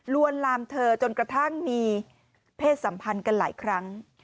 วนลามเธอจนกระทั่งมีเพศสัมพันธ์กันหลายครั้ง